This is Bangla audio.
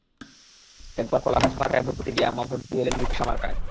একবার কলাগাছ মার্কায় ভোট দিতে গিয়ে আম্মা ভোট দিয়ে এলেন রিকশা মার্কায়।